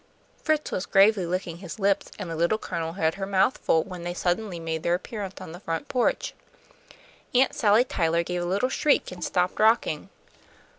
Fritz was gravely licking his lips, and the Little Colonel had her mouth full, when they suddenly made their appearance on the front porch. Aunt Sally Tyler gave a little shriek, and stopped rocking.